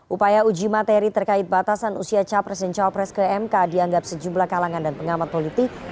upaya uji materi terkait batasan usia capres dan cawapres ke mk dianggap sejumlah kalangan dan pengamat politik